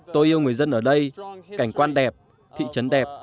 tôi yêu người dân ở đây cảnh quan đẹp thị trấn đẹp